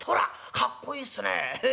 かっこいいっすねええ？